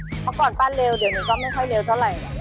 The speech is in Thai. เพราะก่อนปั้นเร็วเดี๋ยวนี้ก็ไม่ค่อยเร็วเท่าไหร่